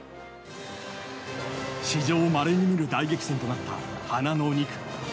史上まれに見る大激戦となった華の２区。